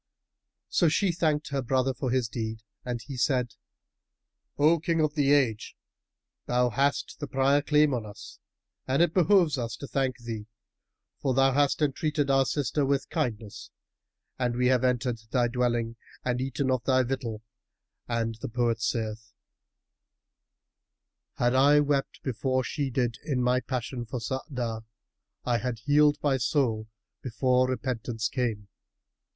So she thanked her brother for his deed and he said, "O King of the Age, thou hast the prior claim on us and it behoves us to thank thee, for thou hast entreated our sister with kindness and we have entered thy dwelling and eaten of thy victual; and the poet saith[FN#314], 'Had I wept before she did in my passion for Saada, * I had healed my soul before repentance came.